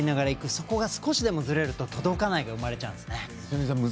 そこが少しでもずれると届かない！が生まれちゃうんです。